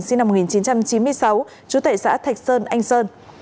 sinh năm một nghìn chín trăm chín mươi sáu chú tệ xã thạch sơn anh sơn